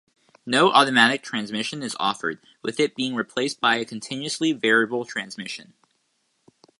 No automatic transmission is offered, with it being replaced by a continuously variable transmission.